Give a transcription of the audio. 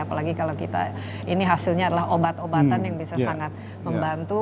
apalagi kalau kita ini hasilnya adalah obat obatan yang bisa sangat membantu